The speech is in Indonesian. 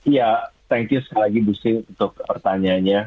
ya terima kasih sekali lagi bu sih untuk pertanyaannya